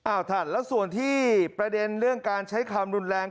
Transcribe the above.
ท่านแล้วส่วนที่ประเด็นเรื่องการใช้คำรุนแรง